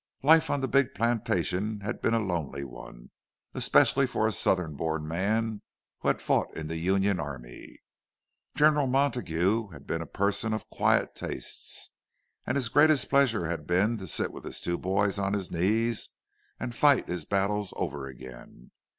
Life on the big plantation had been a lonely one, especially for a Southern born man who had fought in the Union army. General Montague had been a person of quiet tastes, and his greatest pleasure had been to sit with his two boys on his knees and "fight his battles o'er again."